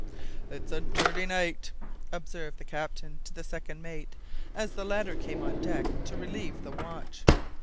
"It's a dirty night," observed the captain, to the second mate, as the latter came on deck to relieve the watch.